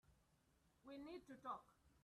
We need to talk.